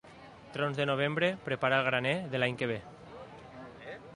Trons de novembre, prepara el graner de l'any que ve.